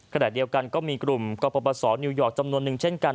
ขนาดเดียวกันก็มีกลุ่มก็ประประสอบนิวยอร์กจำนวนหนึ่งเช่นกัน